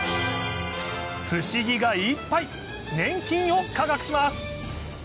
不思議がいっぱい粘菌を科学します